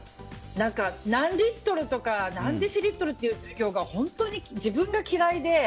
何リットルとか何デシリットルとか本当に自分が嫌いで。